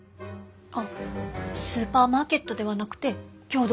あっスーパーマーケットではなくて共同売店です。